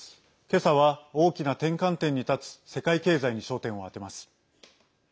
けさは大きな転換点に立つ世界経済に焦点を当てます。